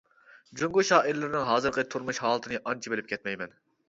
جۇڭگو شائىرلىرىنىڭ ھازىرقى تۇرمۇش ھالىتىنى ئانچە بىلىپ كەتمەيمەن.